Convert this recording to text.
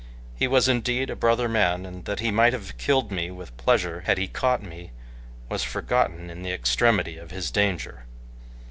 He was indeed a brother man, and that he might have killed me with pleasure had he caught me was forgotten in the extremity of his danger.